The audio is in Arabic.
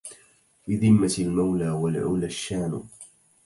في ذمة المولى العلى الشان